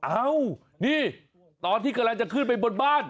เอ้านี่ตอนที่กำลังจะขึ้นไปบนบ้าน